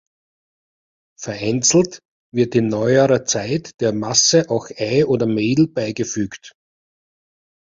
Vereinzelt wird in neuerer Zeit der Masse auch Ei oder Mehl beigefügt.